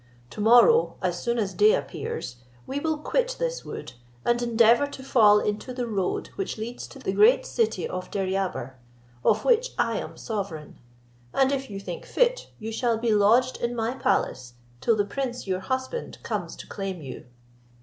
To morrow, as soon as day appears, we will quit this wood, and endeavour to fall into the road which leads to the great city of Deryabar, of which I am sovereign; and if you think fit, you shall be lodged in my palace, till the prince your husband comes to claim you."